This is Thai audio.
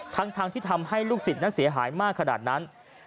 ทั้งที่ทำให้ลูกศิษย์นั้นเสียหายมากขนาดนั้น